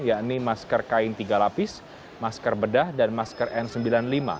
yakni masker kain tiga lapis masker bedah dan masker n sembilan puluh lima